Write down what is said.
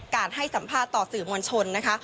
ให้สัมภาษณ์ต่อสื่อมวลชนนะคะ